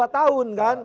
karena dua tahun kan